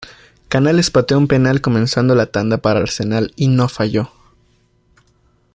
Canales pateó un penal comenzando la tanda para Arsenal y no falló.